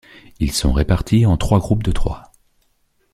Ils sont répartis en trois groupes de trois.